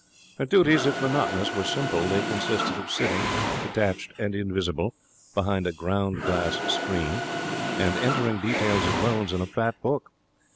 Her duties, if monotonous, were simple. They consisted of sitting, detached and invisible, behind a ground glass screen, and entering details of loans in a fat book.